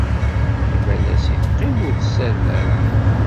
Imalas ay teqqim ur tessared ara.